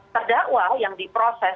terdakwa yang diproses